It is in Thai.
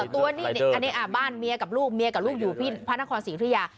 ตัวนี้อันนี้บ้านเมียกับลูกเมียกับลูกอยู่ที่พระนครศรีธุยา